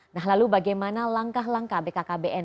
nah lalu bagaimana langkah langkah bkkbn